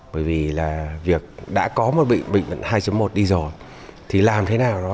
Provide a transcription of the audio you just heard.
bởi vì là việc đã có một bệnh bệnh hai một đi rồi thì làm thế nào